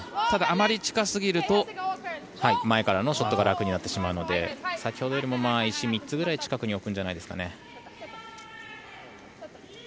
ただ、あまり近すぎると前からのショットが楽になるので先ほどよりも石３つぐらい近くに置くんじゃないですかね？